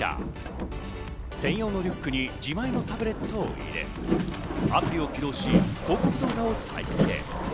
専用のリュックに自前のタブレットを入れ、アプリを起動し、広告動画を再生。